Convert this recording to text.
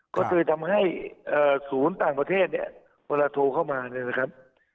ก็เลยทำให้ศูนย์ต่างประเทศเนี่ยเวลาโทรเข้ามาเนี่ยนะครับ